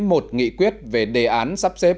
một nghị quyết về đề án sắp xếp